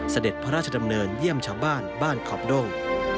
เสด็จพระราชดำเนินเยี่ยมชาวบ้านบ้านขอบด้ง